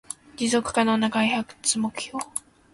持続可能な開発目標